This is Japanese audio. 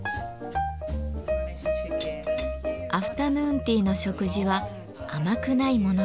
アフタヌーンティーの食事は甘くないものから。